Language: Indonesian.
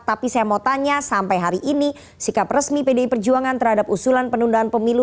tapi saya mau tanya sampai hari ini sikap resmi pdi perjuangan terhadap usulan penundaan pemilu